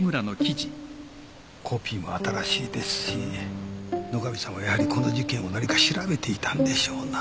コピーも新しいですし野上さんはやはりこの事件を何か調べていたんでしょうな。